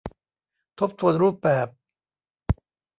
ทบทวนรูปแบบ